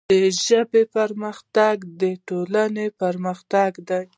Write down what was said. د ژبې پرمختګ د ټولنې پرمختګ دی.